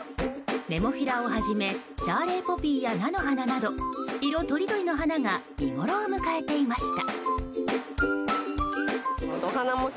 ネモフィラをはじめシャーレーポピーや菜の花など色とりどりの花が見ごろを迎えていました。